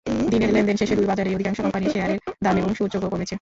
দিনের লেনদেন শেষে দুই বাজারেই অধিকাংশ কোম্পানির শেয়ারের দাম এবং সূচকও কমেছে।